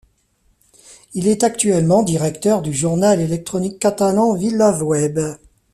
Il est actuellement directeur du journal électronique catalan VilaWeb.